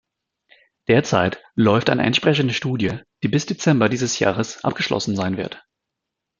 Derzeit läuft eine entsprechende Studie, die bis Dezember dieses Jahres abgeschlossen sein wird.